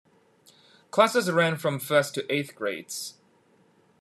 Classes ran from first to eighth grades.